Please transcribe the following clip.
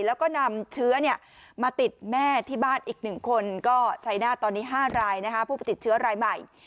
แล้วก็นำเชื้อมาติดแม่ที่บ้านอีก๑คนก็ชัยนาธตอนนี้๕รายผู้ติดเชื้อรายใหม่